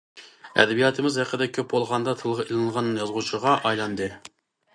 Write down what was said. ئەدەبىياتىمىز ھەققىدە گەپ بولغاندا تىلغا ئېلىنىدىغان يازغۇچىغا ئايلاندى.